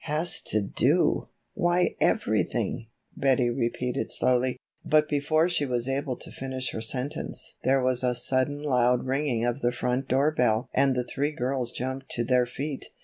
"Has to do, why everything," Betty repeated slowly. But before she was able to finish her sentence there was a sudden loud ringing of the front door bell and the three girls jumped to their feet.